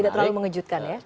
tidak terlalu mengejutkan ya